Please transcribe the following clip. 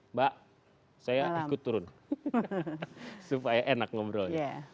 mbak saya ikut turun supaya enak ngobrolnya